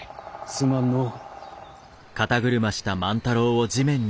すまんのう。